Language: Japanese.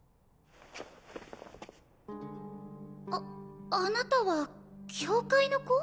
ああなたは教会の子？